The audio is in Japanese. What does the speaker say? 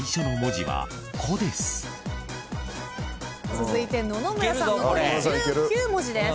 続いて野々村さん残り１９文字です。